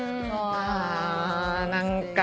あ何か。